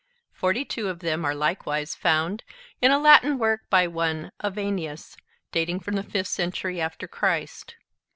Forty two of them are likewise found in a Latin work by one Avianus, dating from the fifth century after Christ.